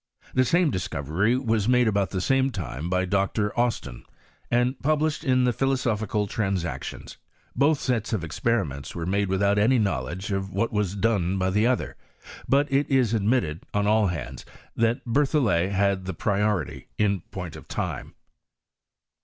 The same discovery was made about the same time by Dr. Austin, and published in the Philosophical Transactions. Both sets of experiments were made without any knowledge of what was done by the other : but it is admitted, on all hands, that BerthoUet had the priority in point of time.